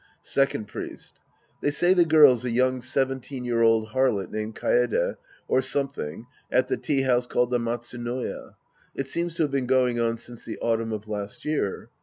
Second Priest. They say the girl's a young seven teen year old harlot named Kaede or something at the tea house called the Matsunoya. It seems to have been going on since the autumn of last year.